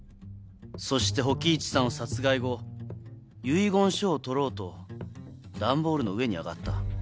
そして火鬼壱さんを殺害後遺言書を取ろうと段ボールの上に上がった。